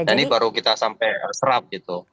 dan ini baru kita sampai serap gitu